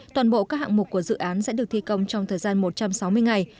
toàn bộ các hạng mục của dự án sẽ được thi công trong thời gian một trăm sáu mươi ngày